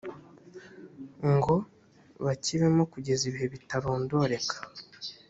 ngo bakibemo kugeza ibihe bitarondoreka